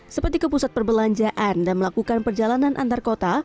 seperti ke pusat perbelanjaan dan melakukan perjalanan antar kota